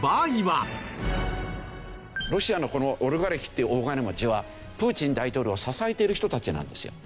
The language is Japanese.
ロシアのこのオリガルヒっていう大金持ちはプーチン大統領を支えている人たちなんですよ。